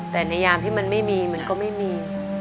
แต่ในยามที่มันไม่มีมันก็ไม่มี